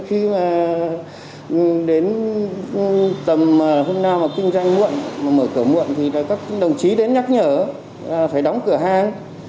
khi mà đến tầm hôm nào mà kinh doanh muộn mà mở cửa muộn thì các đồng chí đến nhắc nhở phải đóng cửa hàng